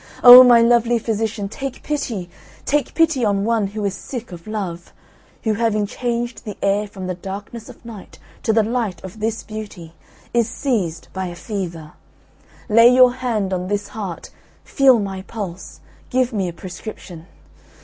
O my lovely physician, take pity, take pity on one who is sick of love; who, having changed the air from the darkness of night to the light of this beauty, is seized by a fever; lay your hand on this heart, feel my pulse, give me a prescription.